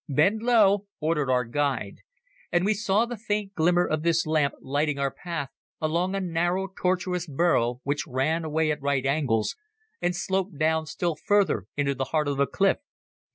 "Bend low!" ordered our guide, and we saw the faint glimmer of this lamp lighting our path along a narrow, tortuous burrow which ran away at right angles and sloped down still further into the heart of the cliff.